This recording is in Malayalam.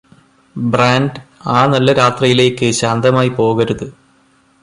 ബ്രാൻഡ് ആ നല്ല രാത്രിയിലേക്ക് ശാന്തമായി പോകരുത്